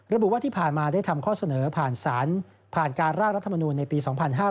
ระบุว่าที่ผ่านมาได้ทำข้อเสนอผ่านศาลผ่านการร่างรัฐมนูลในปี๒๕๕๙